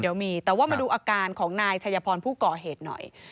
เดี๋ยวมีแต่ว่ามาดูอาการของนายชัยพรผู้ก่อเหตุหน่อย